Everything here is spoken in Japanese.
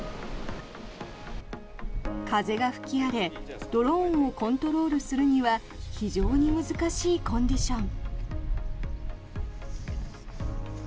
風が吹き荒れドローンをコントロールするには非常に難しいコンディション。